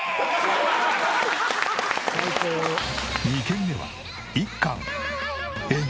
２軒目は１貫円。